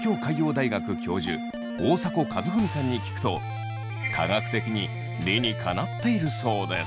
大迫一史さんに聞くと科学的に理にかなっているそうです。